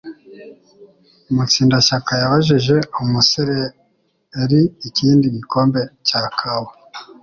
Mutsindashyaka yabajije umusereri ikindi gikombe cya kawa.